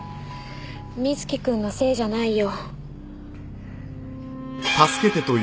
瑞貴くんのせいじゃないよ。